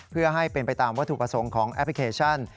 เพื่อให้เป็นไปตามวัตถุประสงค์ของแอปพลิเคชัน